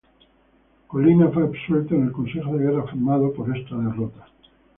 Colina fue absuelto en el consejo de guerra formado por esta derrota.